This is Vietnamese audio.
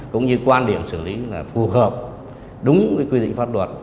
cũng như quan điểm xử lý là phù hợp đúng với quy định pháp luật